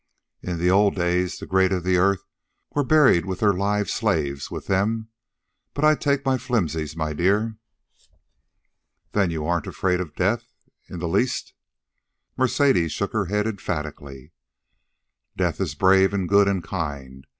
"In the old days the great of earth were buried with their live slaves with them. I but take my flimsies, my dear." "Then you aren't afraid of death?... in the least?" Mercedes shook her head emphatically. "Death is brave, and good, and kind.